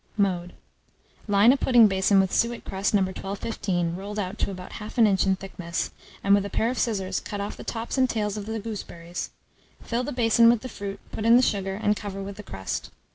Mode. Line a pudding basin with suet crust no. 1215, rolled out to about 1/2 inch in thickness, and, with a pair of scissors, cut off the tops and tails of the gooseberries; fill the basin with the fruit, put in the sugar, and cover with crust.